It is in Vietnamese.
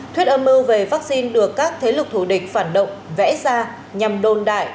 thuyết âm mưu về vaccine được các thế lực thủ địch phản động vẽ ra nhằm đồn đại